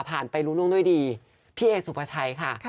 ผ่านไปรุ่นร่วงด้วยดีพี่เอกสุประชัยค่ะ